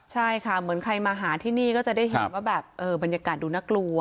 ใช่ค่ะเหมือนใครมาหาที่นี่ก็จะได้เห็นว่าแบบบรรยากาศดูน่ากลัว